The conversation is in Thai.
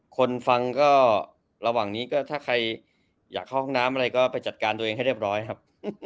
คนฟังก็ระหว่างนี้ก็ถ้าใครอยากเข้าห้องน้ำอะไรก็ไปจัดการตัวเองให้เรียบร้อยครับ